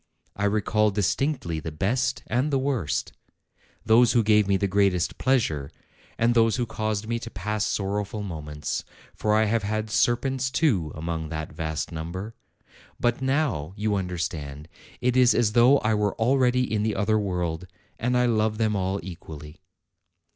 I recall distinctly the best and the worst: those who gave me the greatest pleasure, and those who caused me to pass sorrowful moments; for I have had serpents, too, among that vast number! But now, you understand, it is as though I were al ready in the other world, and I love them all equally."